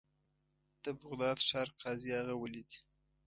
د بغداد ښار قاضي هغه ولید.